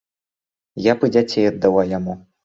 Я б і дзяцей аддала яму.